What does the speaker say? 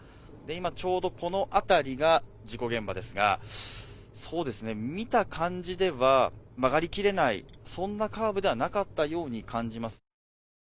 ちょうどこの辺りが事故現場ですがそうですね、見た感じでは曲がりきれないそんなカーブではなかったように感じます。